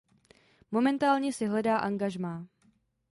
Momentálně si hledá angažmá.